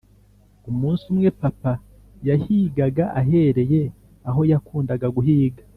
umunsi umwe, papa yahigaga, ahereye aho yakundaga guhiga;